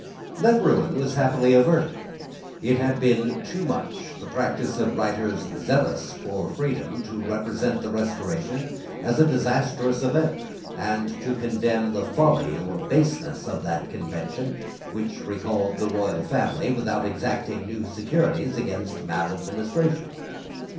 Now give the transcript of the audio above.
That ruin was happily averted. It has been too much the practice of writers zealous for freedom to represent the Restoration as a disastrous event, and to condemn the folly or baseness of that Convention, which recalled the royal family without exacting new securities against maladministration.